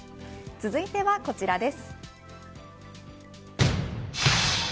続いてはこちらです。